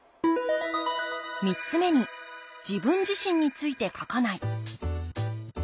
３つ目に「自分自身について書かない」。